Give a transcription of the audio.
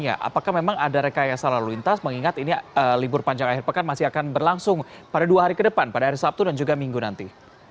apakah memang ada rekayasa lalu lintas mengingat ini libur panjang akhir pekan masih akan berlangsung pada dua hari ke depan pada hari sabtu dan juga minggu nanti